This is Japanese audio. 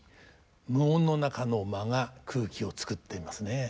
無音の中の間が空気を作っていますね。